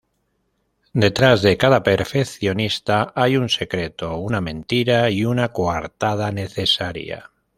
Detrás de cada perfeccionista hay un secreto, una mentira y una coartada necesaria.